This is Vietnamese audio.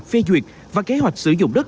phê duyệt và kế hoạch sử dụng đất